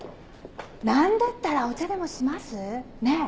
何だったらお茶でもします？ねぇ。